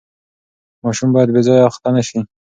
ماشوم باید بې ځایه اخته نه سي.